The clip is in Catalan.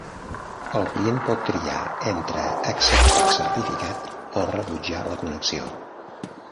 El client pot triar entre acceptar el certificat o rebutjar la connexió.